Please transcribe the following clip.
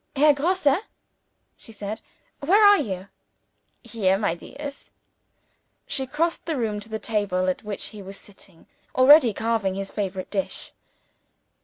"Herr Grosse," she said, "where are you?" "Here, my dears!" She crossed the room to the table at which he was sitting, already occupied in carving his favorite dish.